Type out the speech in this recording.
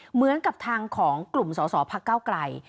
เหมือนกับทางของกลุ่มสอสอพักเก้าไกล